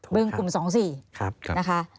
เบิ้งกลุ่ม๒๔นะคะ